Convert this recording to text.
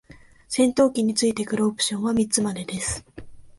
戦闘機に付いてくるオプションは三つまでです。